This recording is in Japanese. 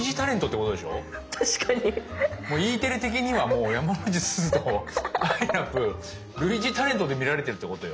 もうＥテレ的には山之内すずとあいなぷぅ類似タレントで見られてるってことよ